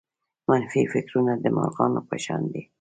منفي فکرونه د مرغانو په شان دي.